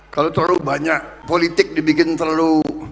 kalau terlalu banyak politik dibikin terlalu